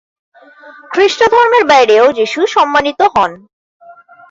খ্রিস্টধর্মের বাইরেও যিশু সম্মানিত হন।